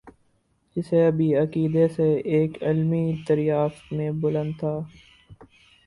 جسے ابھی عقیدے سے ایک علمی دریافت میں بدلنا تھا۔